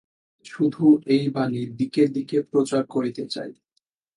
শুধু এই বাণী দিকে দিকে প্রচার করিতে চাই।